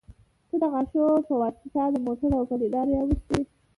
ته د غاښو يه واسطه د موټو او پلې لارې اوښتي